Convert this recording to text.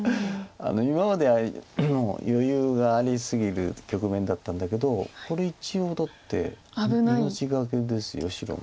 今まではもう余裕があり過ぎる局面だったんだけどこれ一応だって命懸けです白も。